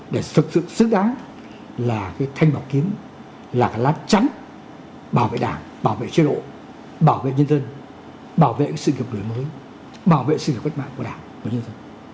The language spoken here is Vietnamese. để thực sự xứng đáng là cái thanh bảo kiếm là cái lát trắng bảo vệ đảng bảo vệ chế độ bảo vệ nhân dân bảo vệ sự nghiệp lưỡi mới bảo vệ sự nghiệp vất mạng của đảng của nhân dân